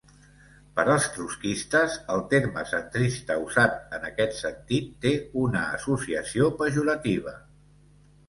Per als trotskistes, el terme centrista usat en aquest sentit té una associació pejorativa.